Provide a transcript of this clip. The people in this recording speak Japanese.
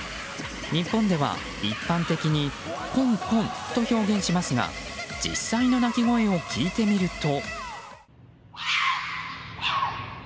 日本では、一般的にコンコンと表現しますが実際の鳴き声を聞いてみると。